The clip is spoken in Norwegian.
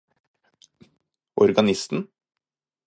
organisten